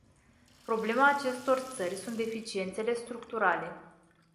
Problema acestor țări sunt deficiențele structurale.